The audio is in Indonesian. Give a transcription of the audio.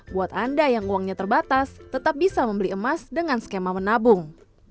buat anda yang uangnya terbatas tetap bisa membeli emas dengan skema menabung